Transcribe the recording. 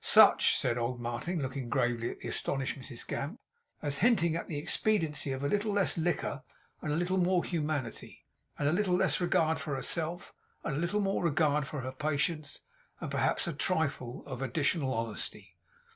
Such,' said old Martin, looking gravely at the astonished Mrs Gamp, 'as hinting at the expediency of a little less liquor, and a little more humanity, and a little less regard for herself, and a little more regard for her patients, and perhaps a trifle of additional honesty.